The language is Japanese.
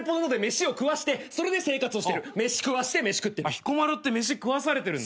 彦摩呂って飯食わされてるんだ。